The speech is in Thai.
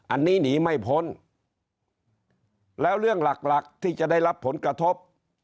อันนี้หนีไม่พ้นแล้วเรื่องหลักหลักที่จะได้รับผลกระทบ